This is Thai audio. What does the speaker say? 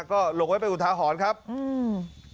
ก็หลงไว้เป็นอุทาหรณ์ครับอืม